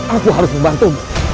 aku harus membantu